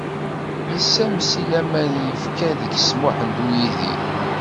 Yessammes i laman yefka deg-s Muḥend U yidir.